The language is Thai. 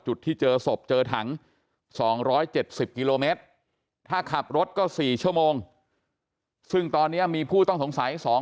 จุดที่เจอศพเจอถัง๒๗๐กิโลเมตรถ้าขับรถก็๔ชั่วโมง